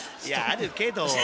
いやあるけど！